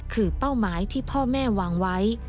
คือเป้าหมายที่พ่อแม่วางไว้